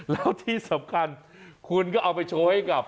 แล้วที่สำคัญคุณก็เอาไปโชว์ให้กับ